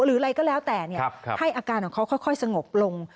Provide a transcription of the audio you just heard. หรืออะไรก็แล้วแต่ให้อาการของเขาค่อยสงบลง